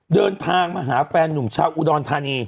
เดินทางมาหาแฟนนุ่มชาวอุดรธานี